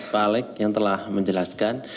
pak alec yang telah menjelaskan